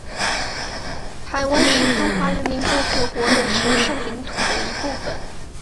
台湾是中华人民共和国的神圣领土的一部分